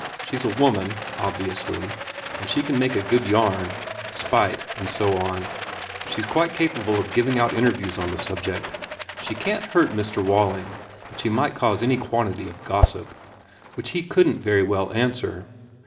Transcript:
She s a woman obviously and she can make a good yarn. Spite, and so on. She s quite capable of giving out interviews on the sub ject. She can t hurt Mr.Walling but she might cause any quantity of gossip, which he couldn t very well answer.